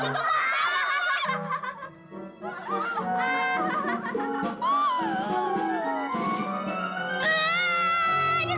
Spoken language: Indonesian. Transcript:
aaaaah ini nanti aku tutup ra